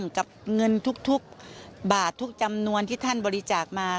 กับเงินทุกบาททุกจำนวนที่ท่านบริจาคมา